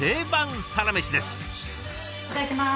いただきます。